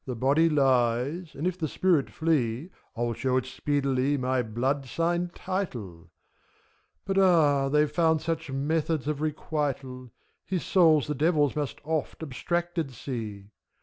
MEPHISTOPHELES. The Body lies, and if the Spirit flee, 111 show it speedily my blood signed title. — But, ah! they've found such methods of requital, His souls the Devil must oft abstracted see!